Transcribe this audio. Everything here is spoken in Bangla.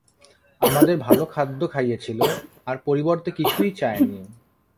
আমাদের ভালো খাদ্য খাইয়েছিল আর পরিবর্তে কিছুই চায়নি।